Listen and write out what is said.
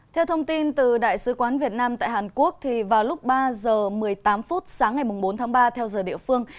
theo thông tin từ đại sứ quán việt nam tại hàn quốc vào lúc ba h một mươi tám phút sáng ngày bốn tháng ba theo giờ địa phương